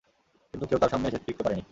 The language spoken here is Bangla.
কিন্তু কেউ তার সামনে এসে টিকতে পারেনি।